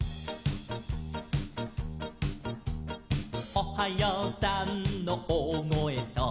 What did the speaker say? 「おはようさんのおおごえと」